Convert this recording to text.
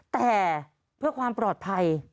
แต่เพื่อความปลอดภัย